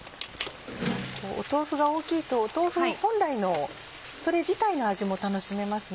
豆腐が大きいと豆腐本来のそれ自体の味も楽しめますね。